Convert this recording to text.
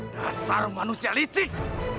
dasar manusia licik